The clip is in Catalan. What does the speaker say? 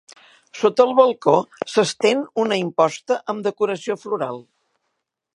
Sota el balcó s'estén una imposta amb decoració floral.